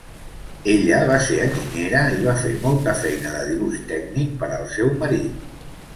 Ella va ser enginyera i va fer molta feina de dibuix tècnic per al seu marit.